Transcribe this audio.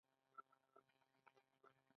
د رخسانې په څیر میرمنې مشهورې وې